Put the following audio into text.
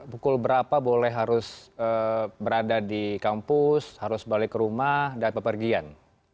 pukul berapa boleh harus berada di kampus harus balik ke rumah dan pepergian